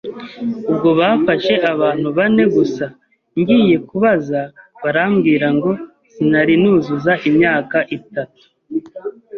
Ubwo bafashe abantu bane gusa, ngiye kubaza barambwira ngo sinari nuzuza imyaka itatu